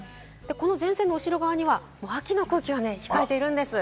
前線の後ろ側には秋の空気が控えているんです。